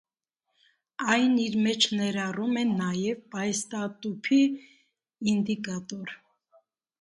Այն իր մեջ ներառում է նաև պահեստատուփի ինդիկատոր։